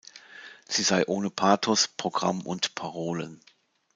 Sie sei ohne Pathos, Programm und Parolen.